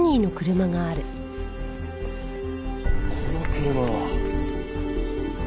この車は。